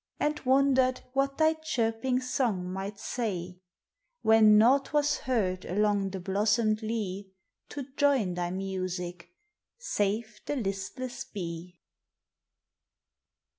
And wondered what thy chirping song might say When naught was heard along the blossomed lea To join thy music, save the listless bee.